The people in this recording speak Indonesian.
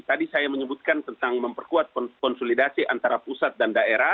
tadi saya menyebutkan tentang memperkuat konsolidasi antara pusat dan daerah